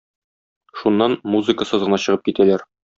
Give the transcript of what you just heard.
Шуннан, музыкасыз гына чыгып китәләр.